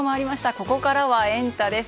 ここからはエンタ！です。